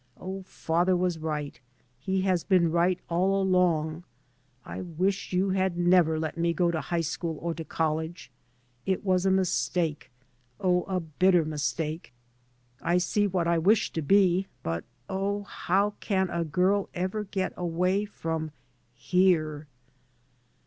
Oh, father was right ; he has been right along! I wish you had nevei' let me go to high school or to college. It was a hiistake ! Oh, a bitter mistake I I see what I wish to be ; but oh I how can a girl ever get away from —• here